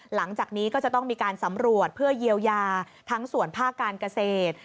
หลังจากนี้ก็จะต้องมีการสำรวจเพื่อเยียวยาทั้งส่วนภาคการเกษตร